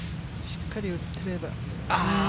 しっかり打てれば。